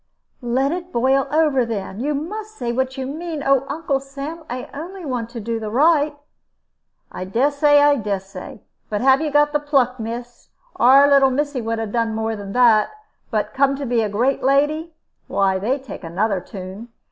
"Let it boil over, then. You must say what you mean. Oh, Uncle Sam, I only want to do the right!" "I dessay. I dessay. But have you got the pluck, miss? Our little missy would 'a done more than that. But come to be great lady why, they take another tune.